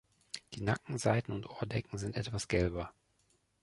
Die Nackenseiten und Ohrdecken sind etwas gelber.